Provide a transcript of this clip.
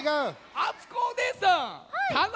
あつこおねえさん！